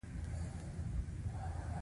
وسله نه باید بېاجازه وکارېږي